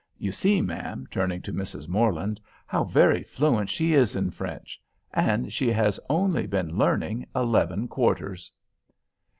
"You see, ma'am," turning to Mrs. Morland, "how very fluent she is in French; and she has only been learning eleven quarters."